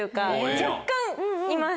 若干います